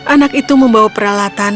anak itu membawa peralatan